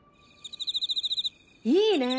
いいね！